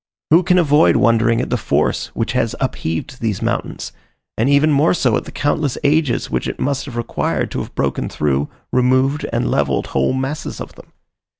Who can avoid wondering at the force which has upheaved these mountains, and even more so at the countless ages which it must have required to have broken through, removed, and levelled whole masses of them?